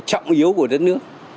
trọng yếu của đất nước